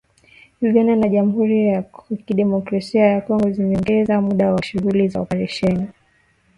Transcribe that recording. Uganda na jamhuri ya kidemokrasia ya Kongo zimeongeza muda wa shughuli za Oparesheni Shujaa